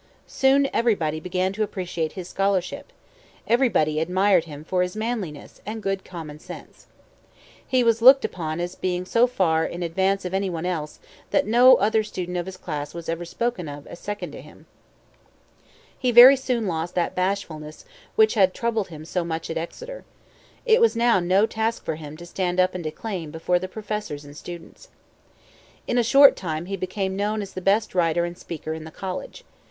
Soon everybody began to appreciate his scholarship. Everybody admired him for his manliness and good common sense. "He was looked upon as being so far in advance of any one else, that no other student of his class was ever spoken of as second to him." He very soon lost that bashfulness which had troubled him so much at Exeter. It was no task now for him to stand up and declaim before the professors and students. In a short time he became known as the best writer and speaker in the college.